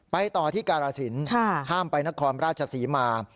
ไปต่อที่การสินห้ามไปนครราชศรีมา